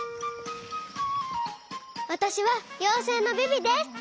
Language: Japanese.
わたしはようせいのビビです！